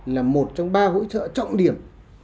là một trong ba hỗ trợ trọng điểm